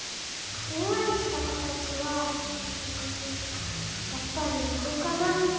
ふんわりした形はうんやっぱり丸かな。